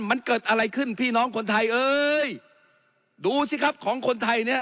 มันเกิดอะไรขึ้นพี่น้องคนไทยเอ้ยดูสิครับของคนไทยเนี่ย